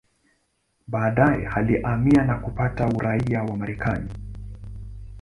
Baadaye alihamia na kupata uraia wa Marekani.